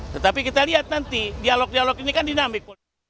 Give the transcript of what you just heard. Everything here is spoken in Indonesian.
tetapi kita lihat nanti dialog dialog ini kan dinamik